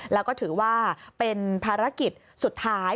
แล้วก็ถือว่าเป็นภารกิจสุดท้าย